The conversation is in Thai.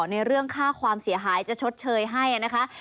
ในเรื่องค่าความเสียหายจะชดเชยให้นะคะ